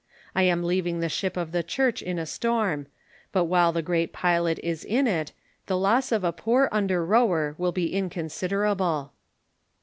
I am leaving the ship of the Church in a storm ; but while the great Pilot is in it, the loss of a poor under rower will be inconsiderable."